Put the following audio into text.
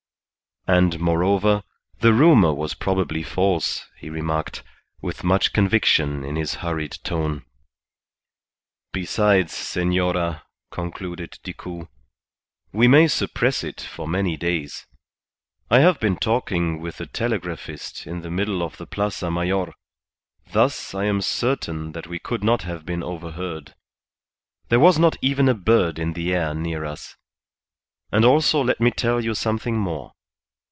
And, moreover, the rumour was probably false, he remarked, with much conviction in his hurried tone. "Besides, senora," concluded Decoud, "we may suppress it for many days. I have been talking with the telegraphist in the middle of the Plaza Mayor; thus I am certain that we could not have been overheard. There was not even a bird in the air near us. And also let me tell you something more.